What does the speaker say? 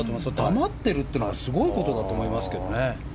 黙っているというのはすごいことだと思いますけどね。